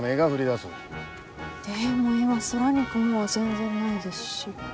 でも今空に雲は全然ないですし。